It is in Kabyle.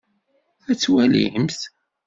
Ad twalimt.